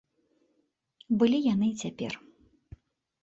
Былі яны і цяпер.